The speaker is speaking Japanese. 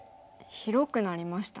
広くなりましたね。